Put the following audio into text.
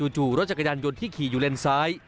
จู่รถจักรยานยนต์ที่ขี่อยู่เลนซ้าย